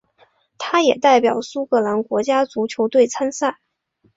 他也代表苏格兰国家足球队参赛。